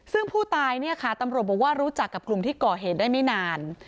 ซึ่งผู้ตายเนี่ยค่ะตำรวจบอกว่ารู้จักกับกลุ่มที่ก่อเหตุได้ไม่นาน